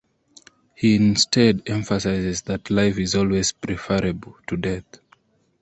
He instead emphasizes that life is always preferable to death.